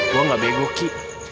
gue nggak begu guki